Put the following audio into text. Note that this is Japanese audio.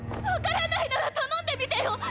わからないなら頼んでみてよ！！